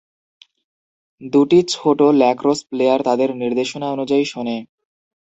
দুটি ছোট lacrosse player তাদের নির্দেশনা অনুযায়ী শোনে